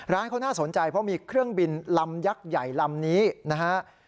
ร้านเขาน่าสนใจเพราะมีเครื่องบินลำยักษ์ใหญ่ลำนี้นะฮะ